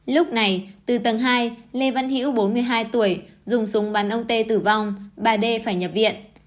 lúc này từ tầng hai lê văn hiễu bốn mươi hai tuổi dùng súng bắn ông tê tử vong bà d phải nhập viện